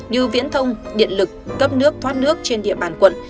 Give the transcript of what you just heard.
như viễn thông điện lực cấp nước thoát nước trên địa bàn quận